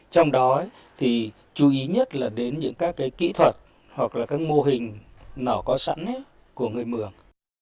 trong đó thì chú ý nhất là đến những các kỹ thuật hoặc là các mô hình nào có sẵn của người mường